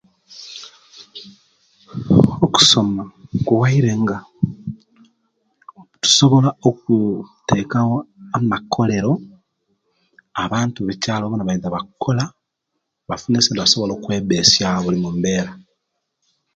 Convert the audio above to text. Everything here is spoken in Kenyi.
Okusoma kuwaire nga tunsobola okuteekawo amakolero, abantu be'kyaalo bona nebaiza, nebakola nibasobola okwebeesyawo bulimumbeera.